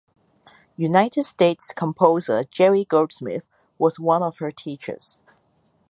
United States composer Jerry Goldsmith was one of her teachers.